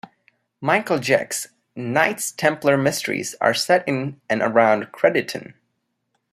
Michael Jecks' "Knights Templar Mysteries" are set in and around Crediton.